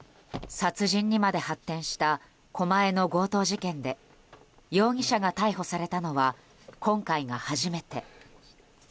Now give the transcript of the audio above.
殺人にまで発展した狛江の強盗事件で容疑者が逮捕されたのは今回が初めて。